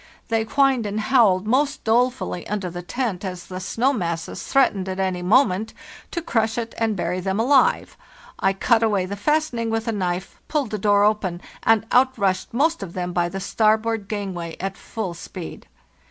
They whined and howled most dolefully under the tent as the snow masses threatened at any moment to crush it and bury them alive. I cut away the fastening with a knife, pulled the door open, and out rushed most of them by the starboard gangway at full speed."